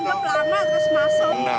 ini diangkat lama